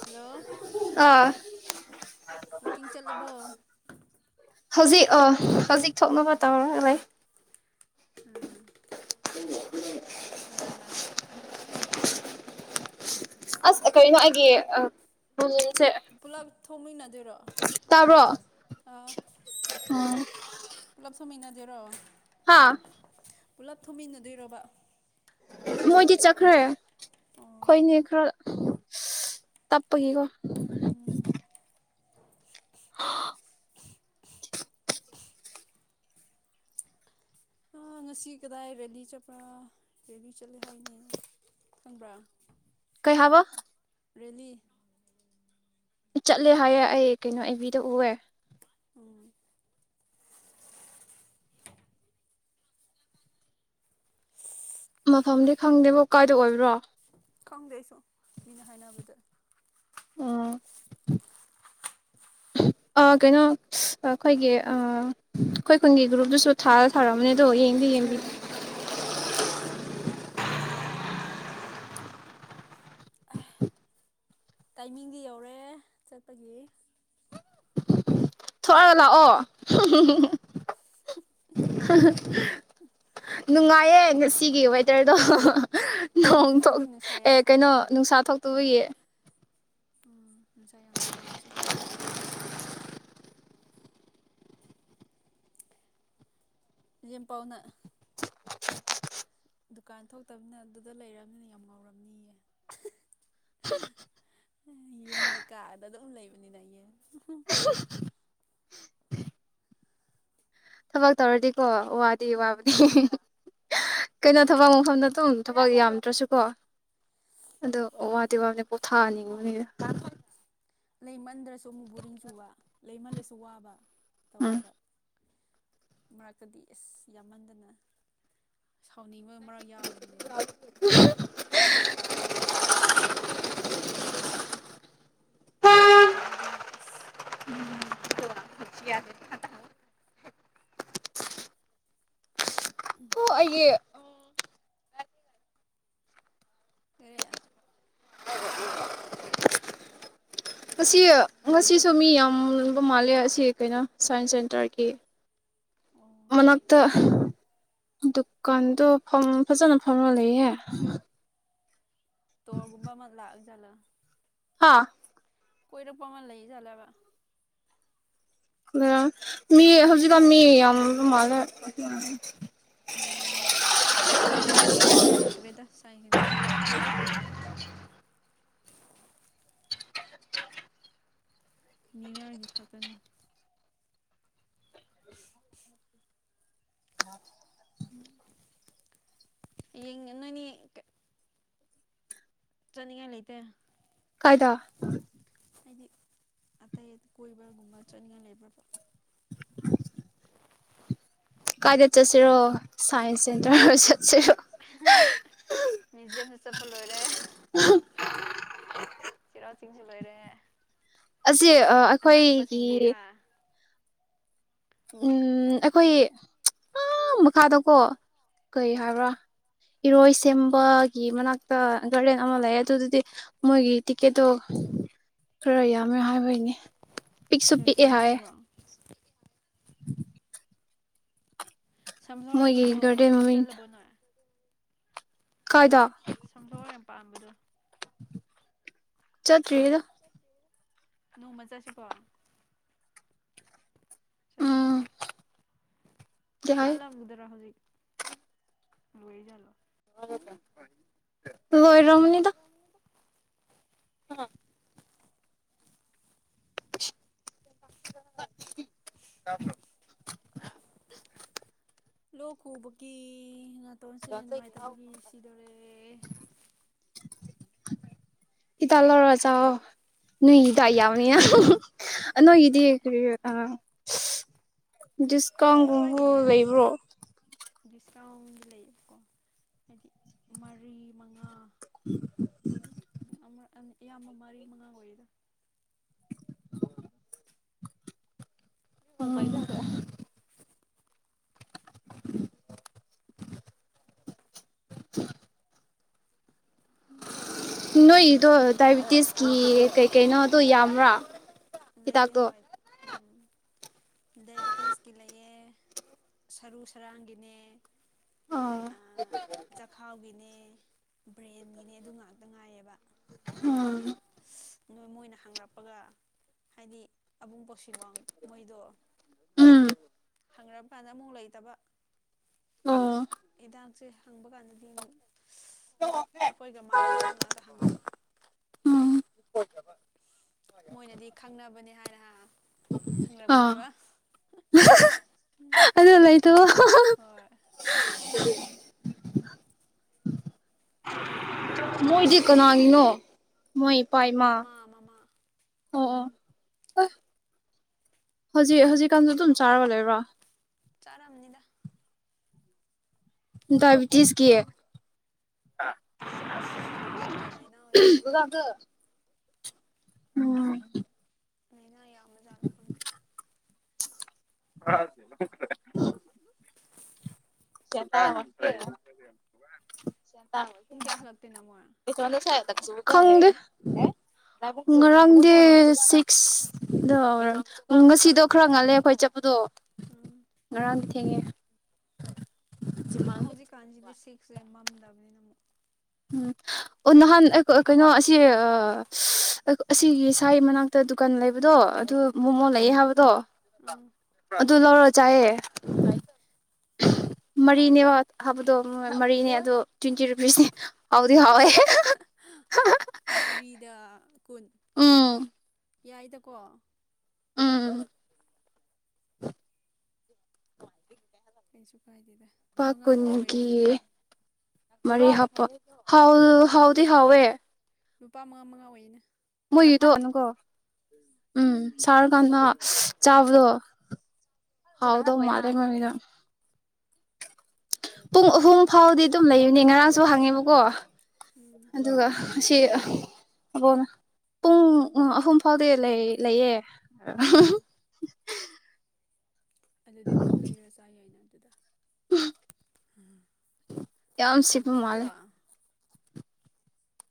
hello ꯑꯥ ꯋꯥꯛꯀꯤꯡ ꯆꯠꯂꯕꯣ [unintelligible] ꯍꯧꯖꯤꯛ ꯑ ꯍꯧꯖꯤꯛ ꯊꯣꯛꯅꯕꯅꯕ ꯇꯧꯔꯥꯏ ꯎꯝ ꯀꯅꯥ ꯀꯅꯥꯅ ꯑꯁ ꯀꯔꯤꯅꯣ ꯑꯩꯒꯤ ꯁꯦ ꯄꯨꯂꯞ ꯊꯣꯡꯃꯤꯟꯅꯗꯣꯏꯔꯣ ꯇꯥꯕ꯭ꯔꯣ ꯑꯥ ꯎꯝ ꯊꯝꯃꯤꯅꯗꯦꯔꯣ ꯍꯥꯥ ꯄꯨꯜꯂꯞ ꯊꯨꯃꯤꯟꯅꯗꯣꯏꯔꯕ ꯃꯣꯏꯗꯤ ꯆꯠꯈ꯭ꯔꯦ ꯑꯣ ꯈꯣꯏꯅꯤ ꯈꯔ ꯇꯄꯒꯀꯣ ꯎꯝ ꯑ ꯑ ꯉꯁꯤ ꯀꯗꯥꯏ ꯦꯂꯤ ꯆꯠꯄ꯭ꯔꯥ ꯔꯦꯂꯤ ꯆꯠꯂꯦ ꯍꯥꯏꯅꯦ ꯈꯪꯕ꯭ꯔꯥ ꯀꯩꯍꯕ ꯔꯦꯜꯂꯤ ꯆꯠꯂꯦ ꯍꯥꯏꯌꯦ ꯑꯩ ꯀꯩꯅꯣ ꯐꯕꯤꯗ ꯎꯑꯦ ꯎꯝ ꯃꯐꯝꯗꯤ ꯈꯪꯗꯦꯕ ꯀꯥꯏꯗ ꯑꯣꯏꯕ꯭ꯔꯣ ꯈꯪꯗꯦꯁꯨ ꯃꯤꯅ ꯍꯥꯏꯅꯕꯗ ꯀꯩꯅꯣ ꯑꯩꯈꯣꯏꯒꯤ ꯑꯩꯈꯣꯏ ꯈꯨꯟꯒꯤ ꯒ꯭ꯔꯨꯞꯇꯁꯨ ꯊꯥ ꯊꯥꯔꯛꯑꯝꯕꯅꯤ ꯗꯣ ꯌꯦꯡꯕꯤ ꯑꯥ ꯌꯦꯡꯕꯤ ꯑꯥ ꯊꯥꯒꯠꯂꯦ ꯇꯥꯏꯃꯤꯡꯗꯤ ꯌꯧꯔꯦ ꯆꯠꯄꯒꯤ ꯑꯥ ꯂꯥꯛꯑꯣ ꯅꯨꯡꯉꯥꯏꯌꯦ ꯉꯁꯤꯒꯤ ꯋꯦꯗꯔꯗꯣ ꯉꯁꯤꯗꯤ ꯅꯣꯡ ꯅꯨꯡꯁꯥ ꯌꯥꯝ ꯑꯦ ꯀꯩꯅꯣ ꯁꯥꯗꯦꯀꯣ ꯅꯨꯡꯁꯥ ꯊꯣꯛꯇꯕꯒꯤ ꯎꯝ ꯅꯨꯡꯁꯥ ꯌꯥꯝ ꯁꯥꯗꯩ ꯉꯁꯤꯗꯤ ꯌꯦ ꯄꯥꯎꯅ [unintelligible] ꯗꯨꯀꯥꯟ ꯊꯣꯛꯇꯕꯅꯤꯅ ꯑꯗꯨꯗ ꯂꯩꯔꯕꯅꯤꯅ ꯌꯥꯝ ꯉꯥꯎꯔꯝꯅꯤꯌꯦ ꯌꯨꯝꯗ ꯀꯥꯑꯗ ꯑꯗꯨꯝ ꯂꯩꯕ [unintelligible] ꯊꯕꯛ ꯇꯧꯔꯗꯤꯀꯣ ꯋꯥꯗꯤ ꯋꯥꯕꯗꯤ ꯎꯝ ꯍꯣꯏ ꯀꯩꯅꯣ ꯊꯕꯛ ꯇꯝ ꯊꯕꯛ ꯌꯥꯝꯗ꯭ꯔꯁꯨꯀꯣ ꯑꯗꯣ ꯋꯥꯗꯤ ꯋꯥꯕꯅꯤ ꯄꯣꯊꯥꯍꯟꯅꯤꯡꯕꯅꯤꯅ ꯂꯩꯃꯟꯗ꯭ꯔꯁꯨ ꯑꯃꯨꯛ ꯕꯣꯔꯤꯡ ꯆꯨ ꯋꯥ ꯂꯩꯃꯜꯂꯁꯨ ꯋꯥꯕ ꯎꯝ ꯇꯧꯋꯦꯕ ꯃꯔꯛꯇꯗꯤ ꯑꯁ ꯌꯥꯝꯃꯟꯗꯅ ꯁꯥꯎꯅꯤꯡꯕꯒꯤ ꯃꯔꯛ ꯌꯥꯎꯔꯤꯕꯅꯦ ꯍꯥꯏꯗꯤ ꯗꯨꯀꯥꯟꯗꯒꯤꯁꯨ ꯍꯥꯏꯔꯛꯀꯅꯤ ꯑꯃꯅꯁꯨ ꯍꯥꯏꯔꯛ ꯀꯅꯤꯀꯣ ꯂꯩꯇꯕꯗꯨꯅ ꯑꯁ ꯐ꯭ꯔꯤ ꯑꯃ ꯑꯣꯏꯕ ꯑꯣ ꯑꯩꯦ ꯑꯦꯔ ꯉꯁꯤ ꯉꯁꯤꯁꯨ ꯃꯤ ꯌꯥꯝꯕ ꯃꯥꯜꯂꯦ ꯑꯁꯤ ꯀꯩꯅꯣ ꯁꯥꯏꯟꯁ ꯁꯦꯟꯇꯔꯒꯤ ꯑꯣ ꯃꯅꯛꯇ ꯗꯨꯀꯥꯟꯗꯣ ꯐꯖꯅ ꯐꯝꯉ ꯂꯩꯍꯦ ꯇꯣꯔꯒꯨꯝꯕ ꯑꯃ ꯂꯥꯛꯑꯒ ꯂ ꯍꯥꯥ ꯀꯣꯏꯔꯨꯄ ꯃꯅ ꯂꯩ ꯆꯂꯕ ꯃꯤ ꯍꯧꯖꯤꯛꯀꯥꯟ ꯃꯤ ꯌꯥꯝ ꯃꯥꯜꯂꯦ ꯎꯝ ꯀꯩꯁꯨ ꯌꯦꯡꯅꯤꯡꯉꯥꯏ ꯂꯩꯇ꯭ꯔꯦꯗ ꯁꯥꯏ ꯍꯥꯏ ꯇ ꯑꯣꯏꯔꯔꯁꯨ [unintelligible] ꯃꯤꯔꯥꯔꯒꯤ ꯈꯛꯇꯅꯤ ꯎ ꯌꯦꯟꯅꯣꯅꯤ ꯆꯅꯤꯡꯉ ꯂꯩ ꯂꯩꯇꯦ ꯀꯗ ꯍꯥꯏꯗꯤ ꯑꯇꯩ ꯀꯣꯏꯕꯒꯨꯝꯕ ꯆꯠꯅꯤꯡꯉꯥꯏ ꯂꯩꯕ꯭ꯔꯕ ꯀꯥꯏꯗ ꯆꯠꯁꯤꯔꯣ ꯁꯥꯏꯟꯁ ꯁꯦꯟꯇꯔ ꯆꯠꯁꯤꯔꯣ ꯃꯖꯤꯝꯁꯨ ꯆꯄꯜ ꯂꯣꯏꯔꯦ ꯁꯤꯔꯋꯥꯁꯤꯁꯤꯡꯁꯨꯜ ꯋꯥꯔꯦ ꯑꯁꯤꯁꯦ ꯑꯩꯈꯣꯏꯒꯤ ꯑꯥ ꯎꯝ ꯀꯥꯏꯗ ꯑꯩꯈꯣꯏ ꯑ ꯃꯈꯥꯗꯀꯣ ꯀꯩ ꯑꯥ ꯍꯥꯏꯕ꯭ꯔꯥ ꯏꯔꯣꯏ ꯁꯦꯝꯕꯒꯤ ꯃꯅꯥꯛꯇ ꯒꯥꯔꯗꯦꯟ ꯑꯃ ꯂꯩ ꯑꯗꯨꯗꯨꯗꯤ ꯃꯣꯏꯒꯤ ꯇꯤꯛꯀꯦꯠꯇꯣ ꯈꯔ ꯌꯥꯝꯃꯦ ꯍꯥꯏꯕꯒꯤ ꯄꯤꯛꯁꯨ ꯀꯩ ꯀꯩ ꯄꯤꯛꯑꯦ ꯂꯣꯏ ꯍꯥꯏꯌꯦꯦ ꯍꯥꯏꯕ꯭ꯔꯣ ꯎꯝ ꯁꯝꯅꯔꯒꯤꯗꯣ ꯒꯥꯔꯗꯦꯟ ꯃꯃꯤꯡ ꯆꯠꯂꯕꯅꯣ ꯀꯥꯏꯗ ꯁꯝꯐ꯭ꯂꯋꯥꯔ ꯌꯥꯝ ꯄꯥꯝꯕꯗꯣ ꯆꯠꯠꯇ꯭ꯔꯤꯗ ꯅꯣꯡꯃꯖꯁꯤ ꯄꯥꯎ ꯎꯝ ꯆꯅꯤꯡꯉꯩꯗꯤ ꯌꯥꯏ ꯁꯥꯠꯂꯝꯒꯗ꯭ꯔꯥ ꯍꯧꯖꯤꯛ ꯂꯣꯏ ꯆꯂꯣ ꯍ ꯃꯇ ꯎꯝ [unintelligible] ꯂ ꯎꯕ ꯀ ꯍꯇꯣꯁꯦ ꯅꯨꯡꯉꯥꯏꯇꯕꯒꯤ ꯁꯤꯗꯣꯔꯦ ꯍꯤꯇ ꯂꯧꯔ ꯆ ꯅꯣꯏꯒꯤꯗ ꯌꯥꯎꯅꯤꯅ ꯅꯣꯏꯒꯤꯗꯤ ꯀ ꯑ ꯗꯤꯁꯀꯥꯎꯟꯒꯨꯝꯕ ꯂꯩꯕ꯭ꯔꯣ ꯁꯀꯥꯎꯟ ꯂꯩꯀꯣ ꯍꯥꯏꯗꯤ ꯃꯔꯤ ꯃꯉꯥ ꯑꯗꯨ ꯑꯃꯛ ꯑ ꯀ ꯌꯥꯝꯃꯃꯔꯤ ꯃꯉꯥꯡ ꯑꯣꯏꯗ ꯑꯣ ꯃꯗ [unintelligible] ꯅꯣꯏꯗꯣ ꯗꯏꯕꯤꯇꯤꯁ ꯀ ꯀꯩ ꯀꯩꯅꯣ ꯑꯗꯨꯣ ꯌꯥꯝꯕ꯭ꯔꯥ ꯂꯩ ꯍꯤꯗꯥꯛꯇꯣ ꯍꯣꯏ ꯎꯝ ꯗꯥꯏꯕꯤꯇꯤꯁꯀꯤ ꯂꯩꯌꯦ ꯁꯔꯨ ꯁꯔꯥꯡꯒꯤꯅꯦ ꯑꯥ ꯆꯈꯥꯎꯒꯤꯅꯦ ꯕ꯭ꯔꯦꯟꯒꯤꯅꯦ ꯑꯗꯨ ꯉꯥꯛꯇ ꯉꯥꯏꯌꯦꯕ ꯑꯇꯩꯗꯤ ꯎꯝ ꯌꯥꯝ ꯅꯣꯏ ꯃꯣꯏꯅ ꯍꯥꯡꯔꯛꯄꯒ ꯍꯥꯏꯗꯤ ꯑꯕꯨꯡ ꯄꯣꯛꯁꯤ ꯋꯥꯡ ꯃꯣꯏꯗꯣ ꯎꯝ ꯍꯪ꯭ꯔꯕ ꯀꯥꯟꯗ ꯑꯃꯨꯛ ꯂꯩꯇꯕ ꯑꯣ ꯏꯗꯥꯡꯁꯦ ꯍꯪꯕ ꯀꯥꯟꯗꯗꯤ ꯑꯩꯈꯣꯏꯒ ꯃꯥꯟꯅꯗꯕ ꯉꯥꯛꯇ ꯍꯪꯉꯦꯕ ꯑꯣꯀꯦ ꯐ ꯃꯣꯏꯅꯗꯤ ꯈꯪꯅꯕꯅꯦ ꯍꯥꯏꯅ ꯑ ꯍꯪꯔꯛꯄꯅꯦꯕ ꯑꯗꯨ ꯂꯥꯏ ꯍꯣꯏ [unintelligible] ꯏꯃꯥꯟꯅꯕꯤꯅ ꯃꯣꯏꯗꯤ ꯀꯅꯥꯒꯤꯅꯣ ꯃꯣꯏ ꯏꯄꯥ ꯏꯃꯥ ꯃꯃꯥ ꯃꯃꯥ ꯑꯣ ꯑꯣ ꯍꯧꯖꯤꯛ ꯍꯧꯖꯤꯛꯀꯥꯟꯗ ꯑꯗꯨꯝ ꯆꯥꯔꯕ ꯂꯩꯕ꯭ꯔꯥ ꯆꯔꯝꯅꯤꯗ ꯗꯥꯏꯕꯤꯇꯤꯁ ꯀ ꯈꯪꯗꯦ ꯀꯩ ꯂꯩꯅ ꯑꯣꯏꯒꯅꯤ ꯎꯝ ꯑꯅ ꯌꯥ ꯃꯖꯥꯗ ꯐꯗꯤ ꯑꯦ ꯁꯤꯇ ꯄꯨꯡ ꯀꯌꯥ ꯍꯜꯂꯛꯇꯣꯏꯅꯣ ꯃꯣꯏ ꯇꯒꯦꯁꯗ ꯁꯥꯏ ꯈꯪꯗꯦ ꯉꯔꯥꯡꯗꯦ ꯁꯤꯛꯁꯗꯣ ꯉꯁꯤꯗꯣ ꯈꯔ ꯉꯜꯂꯦ ꯑꯩꯈꯣꯏ ꯆꯠꯄꯗꯣ ꯎꯝ ꯔ ꯊ ꯎ ꯍꯧꯖꯤ ꯀꯥꯟꯖꯤꯗꯁꯤ ꯁꯦ ꯃꯝꯗꯕꯅꯤꯅ ꯑꯃꯨꯛ ꯎꯝ ꯑꯣ ꯅꯍꯥꯟ ꯀꯩꯅꯣ ꯑꯁꯤ ꯑꯁꯤꯒꯤ ꯁꯥꯏ ꯃꯅꯥꯛꯇ ꯗꯨꯀꯥꯟ ꯂꯩꯕꯗꯣ ꯑꯗꯨ ꯃꯣꯃꯣ ꯂꯩꯑꯦ ꯍꯥꯏꯕꯗꯣ ꯎꯝ ꯑꯗꯨ ꯂꯧ ꯆꯌꯦ ꯃꯔꯤꯅꯦ ꯍꯥꯎꯕ꯭ꯔꯣ ꯍꯥꯏꯕꯗꯣ ꯃꯔꯤꯅꯦ ꯑꯗꯣ ꯇ꯭ꯋꯦꯟꯇꯤ ꯔꯨꯄꯤꯁꯦ ꯑꯁ ꯃꯔꯤꯗ ꯀꯨꯟ ꯎꯝ ꯌꯥꯏꯗꯀꯣ ꯎꯝ ꯀꯩꯁꯨ ꯀꯥꯏꯗꯦꯗ ꯃꯉꯥ ꯃꯉꯥ ꯄꯥꯀꯅꯤꯒꯦ ꯑꯣꯏꯔꯅꯤ ꯑꯗꯨꯗꯤ ꯃꯔꯤ ꯍꯥꯞꯄ ꯍꯥꯎ ꯍꯥꯎꯗꯤ ꯍꯥꯎꯋꯦ ꯅꯨꯄꯥ ꯃꯉꯥ ꯃꯉꯥ ꯑꯣꯏꯩꯅ ꯃꯣꯏ ꯌꯗꯣꯅꯀꯣ ꯎꯝ ꯎꯝ ꯁꯥꯔ ꯎꯝ ꯀꯥꯟꯗ ꯆꯥꯎꯗꯣ ꯍꯥꯎꯗꯥꯎ ꯎꯝ ꯃꯥꯔꯦ ꯃꯗ ꯄꯨꯡ ꯑꯍꯨꯝ ꯐꯥꯎꯗꯤ ꯑꯗꯨꯝ ꯂꯩꯌꯨꯅꯦ ꯉꯔꯥꯡꯁꯨ ꯍꯥꯡꯉꯦꯕꯀꯣ ꯎꯝ ꯑꯗꯨꯒ ꯑꯁꯤ ꯑꯣ ꯄꯨꯡ ꯑꯍꯨꯝ ꯐꯥꯎꯗꯤ ꯂꯩꯌꯦ [inaudible] ꯎꯝ ꯑꯗꯨꯗꯤ ꯑꯗꯨꯝ ꯂꯩꯔ ꯆꯥ ꯌꯥꯏꯅ ꯑꯗꯨꯗ ꯌꯥꯝ ꯁꯤꯄ ꯃꯥꯂꯦ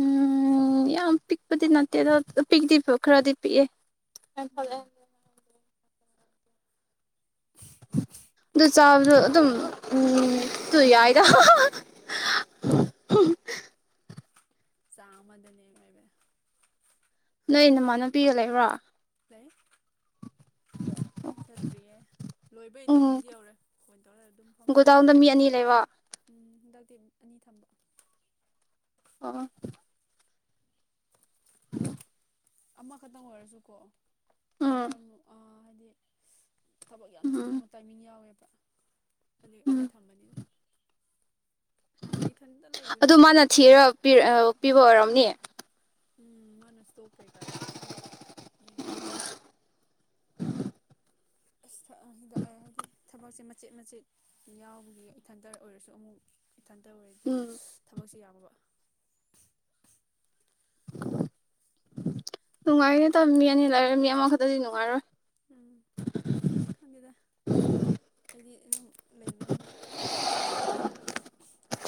ꯎꯝ ꯌꯥꯝ ꯄꯤꯛꯄꯗꯤ ꯅꯠꯇꯦ ꯑꯗꯣ ꯄꯤꯛꯗꯤ ꯈꯔꯗꯤ ꯄꯤꯛꯑꯦ ꯑ ꯐꯂꯦ ꯑꯗꯨ ꯆꯥꯕꯗꯣ ꯑꯗꯨꯝ ꯎ ꯇꯨ ꯌꯥꯏꯗ [inaudible] ꯆꯥꯃꯅꯦꯃꯦꯕ ꯅꯣꯏ ꯅꯃꯥꯟꯅꯨꯄꯤꯒ ꯂꯩꯕ꯭ꯔꯣ [unintelligible] ꯆꯠꯇ꯭ꯔꯤꯌꯦ ꯂꯣꯏꯕꯩ ꯎꯝ ꯇꯥꯏꯃꯤꯡꯗꯤ ꯌꯧꯔꯦ ꯐꯣꯟ ꯇꯧꯔ ꯑꯗꯨꯝ ꯐꯃ ꯒꯣꯗꯥꯎꯟꯗ ꯂꯩꯕꯅꯤꯅ ꯃꯤ ꯑꯅꯤ ꯂꯩꯕ ꯎꯝ ꯑꯅꯤ ꯊꯝꯕ ꯑ [unintelligible] ꯑꯃꯈꯛꯇꯪ ꯑꯣꯏꯔꯁꯨꯀꯣ ꯎꯝ ꯃꯔꯝ [unintelligible] ꯊꯕꯛ ꯌꯥꯝ ꯎꯝ ꯆꯤꯟꯕ ꯑꯃ ꯇꯥꯏꯃꯤꯡ ꯌꯥꯎꯋꯦꯕ ꯑꯗꯨ ꯑꯅꯤ ꯎꯝ ꯊꯝꯕꯅꯤꯅ ꯅꯍꯥꯟꯗꯤ ꯏꯊꯟꯇ ꯂꯩꯕꯅꯦ ꯑꯗꯨ ꯃꯥꯅ ꯊꯤꯔ ꯄꯤꯕ ꯑꯣꯏꯔꯝ ꯅꯤ ꯎꯝ ꯃꯥꯅ ꯏꯁꯇꯣꯛ ꯀꯩꯀꯥꯒꯤ ꯑꯗꯨꯝ ꯌꯦꯡꯕ ꯍꯤꯗꯥꯛꯑ ꯍꯥꯏꯕꯗꯤ ꯊꯕꯛꯁꯦ ꯃꯆꯦꯠ ꯃꯆꯦꯠ ꯌꯥꯎꯕꯒꯤ ꯏꯊꯟꯇ ꯑꯣꯏꯔꯁꯨ ꯑꯃꯨꯛ ꯏꯊꯟꯇ ꯑꯣꯏꯔꯗꯤ ꯎꯝ ꯊꯕꯛꯁꯦ ꯌꯥꯃꯕ ꯅꯨꯡꯉꯥꯏꯅꯦ ꯇ ꯃꯤ ꯑꯅꯤ ꯂꯩꯔꯦ ꯃꯤ ꯑꯃꯈꯛꯇꯗꯤ ꯅꯨꯡꯉꯥꯏꯔꯣꯏ ꯎꯝ ꯈꯪꯗꯦꯗ [unintelligible] ꯂꯩꯕꯅꯤꯅ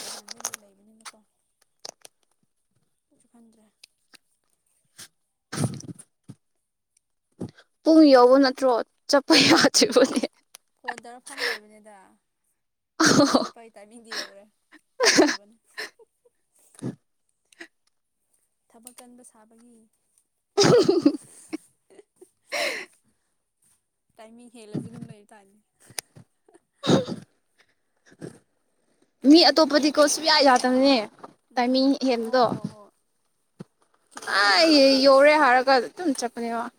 ꯅꯍꯥꯟꯗꯒꯤ ꯂꯩ ꯅꯤꯅꯀꯣꯁꯨ ꯈꯟꯗ꯭ꯔꯦ ꯄꯨꯡ ꯌꯧꯕ ꯅꯠꯇ꯭ꯔꯣ ꯆꯠꯄ ꯌꯥꯁꯤꯕꯅꯦ ꯐꯣꯟ ꯇꯧꯔꯐꯝ ꯂꯩꯕꯅꯤꯗ ꯆꯠꯄꯥꯏ ꯇꯥꯏꯅꯤꯡꯗꯤ ꯌꯧꯔꯦ ꯍꯦꯜꯂꯕꯅꯤ ꯊꯕꯛ ꯀꯟꯕ ꯁꯥꯕꯒꯤ ꯇꯥꯏꯃꯤꯡ ꯍꯦꯜꯂꯁꯨ ꯑꯗꯨꯝ ꯂꯩ ꯇꯥꯔꯅꯤ ꯃꯤ ꯑꯇꯣꯞꯄꯗꯤꯀꯣ ꯁꯨꯌꯥ ꯌꯥꯗꯕꯅꯦ ꯎꯝ ꯇꯥꯏꯃꯤꯡ ꯍꯣꯏ ꯍꯦꯟꯕꯗꯣ ꯍꯣꯏ ꯍꯣꯏ ꯈꯤꯇꯪ ꯍꯦꯜꯂꯕ ꯑꯩ ꯑꯩꯁ ꯌꯧꯔꯦ ꯍꯥꯏꯔꯒ ꯑꯗꯨꯝ [unintelligible]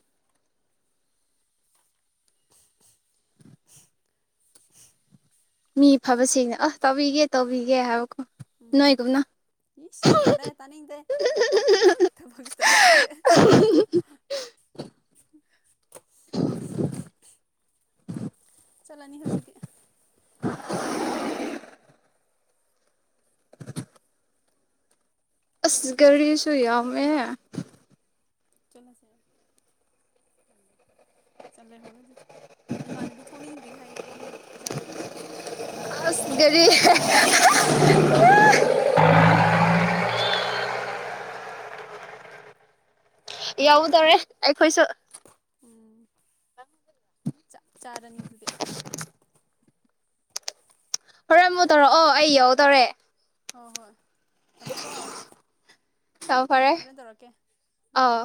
[unintelligible] ꯃꯤ ꯐꯕꯁꯤꯡꯅ ꯑ ꯇꯧꯕꯤꯒꯦ ꯇꯧꯕꯤꯒꯦ ꯍꯥꯏꯕꯀꯣ ꯎꯝ ꯅꯣꯏꯒꯨꯝꯅ ꯏꯤꯁ ꯌꯥꯔꯦ ꯇꯅꯤꯗ ꯇꯥꯕꯇ ꯆꯂꯅꯤ ꯍꯧꯖꯤꯛ ꯑꯁ ꯒꯥꯔꯤꯁꯨ ꯌꯥꯝꯃꯦ ꯆꯠꯂꯁꯦ ꯆꯠꯂꯦ ꯍꯔꯣ ꯑꯗꯨꯗꯤ ꯏꯃꯥꯟꯅꯕꯤ ꯊꯣꯛꯅꯤꯡꯗ꯭ꯔꯤ ꯍꯥꯏꯌꯦ ꯑꯩ ꯆꯠꯂꯒꯦ ꯍꯥꯟꯅ ꯑꯁ ꯒꯔꯤ ꯌꯥꯎꯗꯔꯦ ꯑꯩꯈꯣꯏꯁꯨ ꯆꯥꯛ ꯆꯥꯔꯥꯅꯤ ꯑꯗꯨꯗꯤ ꯍꯣꯔꯦꯟ ꯑꯃꯨꯛ ꯇꯧꯔꯛꯑꯣ ꯑꯩ ꯌꯧꯇꯧꯔꯦ ꯍꯣꯏ ꯍꯣꯏ ꯊꯝꯃꯦꯀꯣ ꯌꯥꯝ ꯐꯔꯦ ꯀꯔꯅ ꯇꯧꯔꯛꯀꯦ ꯎꯝ ꯑꯥꯎ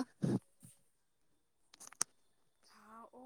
ꯊꯑꯣ